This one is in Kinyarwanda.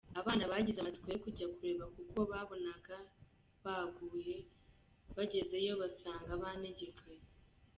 Abana bagize amatsiko yo kujya kureba kuko babonaga baguye, bagezeyo basanga banegekaye.